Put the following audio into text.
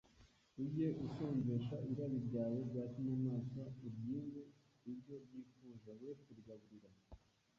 Ujye usonjesha irari ryawe rya kinyamaswa, uryime ibyo ryifuza, we kurigaburira.